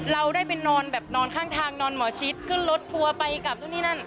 เราได้ไปนอนแบบนอนข้างทางนอนหมอชิดขึ้นรถทัวร์ไปกับนู่นนี่นั่น